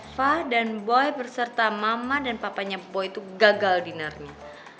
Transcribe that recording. reva dan boy berserta mama dan papanya boy tuh gagal dinernya